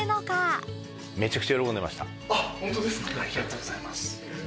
ありがとうございます。